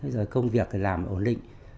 rồi công việc thì làm ổn định